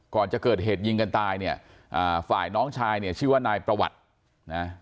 ก่อนจะเกิดเหตุยิงกันตายเนี่ยอ่าฝ่ายน้องชายเนี่ยชื่อว่านายประวัตินะ